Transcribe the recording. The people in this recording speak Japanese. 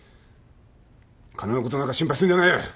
金のことなんか心配すんじゃねえ。